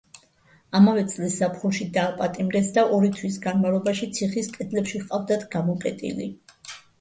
ამავე წლის ზაფხულში დააპატიმრეს და ორი თვის განმავლობაში ციხის კედლებში ჰყავდათ გამოკეტილი.